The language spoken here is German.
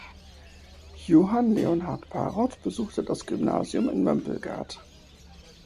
Johann Leonhard Parrot besuchte das Gymnasium in Mömpelgard.